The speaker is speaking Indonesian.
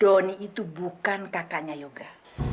doni itu bukan kakaknya yoga